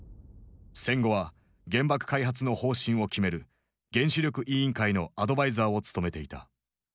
戦後は原爆開発の方針を決める原子力委員会のアドバイザーを務めていた。